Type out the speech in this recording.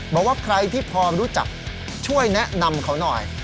บอกว่าใครที่พอรู้จักช่วยแนะนำเขาหน่อย